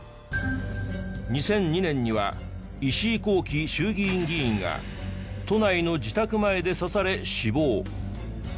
２００２年には石井紘基衆議院議員が都内の自宅前で刺され死亡。